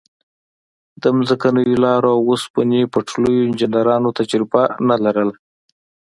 د ځمکنیو لارو او اوسپنې پټلیو انجنیرانو تجربه نه لرله.